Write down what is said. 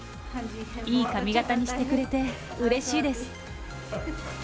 いい髪形にしてくれてうれしいです。